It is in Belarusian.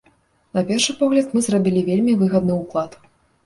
На першы погляд, мы зрабілі вельмі выгадны ўклад.